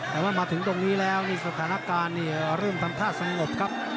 แต่ว่ามาถึงตรงนี้แล้วนี่สถานการณ์นี่เริ่มทำท่าสงบครับ